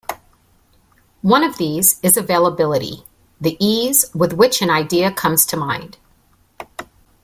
One of these is "availability": the ease with which an idea comes to mind.